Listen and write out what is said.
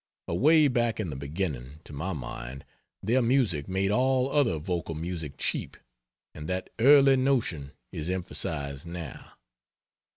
Away back in the beginning to my mind their music made all other vocal music cheap; and that early notion is emphasized now.